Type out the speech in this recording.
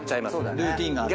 ルーティンがあってね。